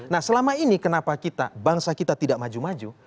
nah selama ini kenapa kita bangsa kita tidak maju maju